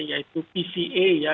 yaitu pca ya